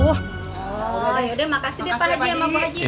yaudah makasih deh pak haji